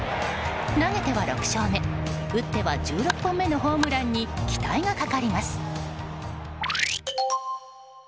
投げては６勝目打っては１６本目のホームランに期待がかかります。